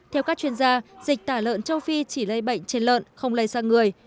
theo các chuyên gia dịch tả lợn châu phi chỉ lây bệnh trên lợn không lây sang người